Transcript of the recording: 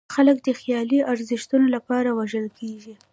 خلک د خیالي ارزښتونو لپاره وژل کېږي.